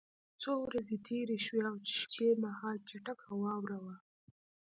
څو ورځې تېرې شوې او شپه مهال چټکه واوره وه